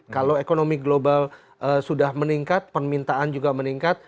kalau ekonomi global sudah meningkat permintaan juga meningkat